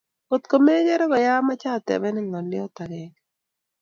ngotkomegere koyaa ameche atebenen ngolyot age